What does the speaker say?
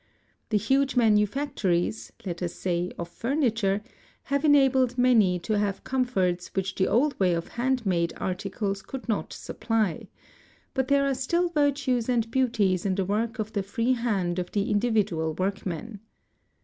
The huge manufactories, let us say of furniture, have enabled many to have comforts which the old way of hand made articles could not supply, but there are still virtues and beauties in the work of the free hand of the individual workman.